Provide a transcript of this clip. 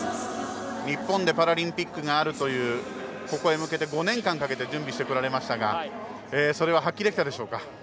日本でパラリンピックがあるというここへ向けて５年間かけて準備していましたがそれを発揮できたでしょうか。